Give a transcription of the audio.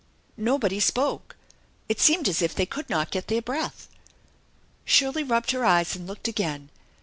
Nobody spoke. It seemed as if they could not get their breath. Shirley rubbed her eyes, and looked again.